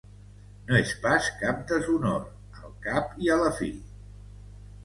No és pas cap deshonor, al cap i a la fi.